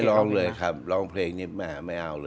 ร้องเลยครับร้องเพลงนี้แหมไม่เอาเลย